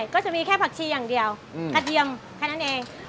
ก็จะมีแค่ปักชีอย่างเดียว